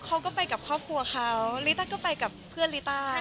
เขาก็ไปกับครอบครัวเขาลิต้าก็ไปกับเพื่อนลิต้า